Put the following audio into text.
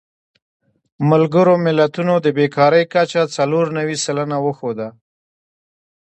ملګرو ملتونو د بېکارۍ کچه څلور نوي سلنه وښوده.